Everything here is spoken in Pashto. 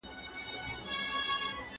¬ تاوان چي پر هر ځاى راوگرځوې، گټه ده.